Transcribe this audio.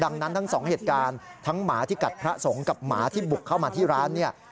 ดังนั้นทั้งสองเหตุการณ์ทั้งหมาที่กัดพระสงฆ์กับหมาที่บุกเข้ามาที่ร้านเนี่ย